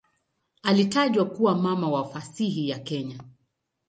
Alitajwa kuwa "mama wa fasihi ya Kenya".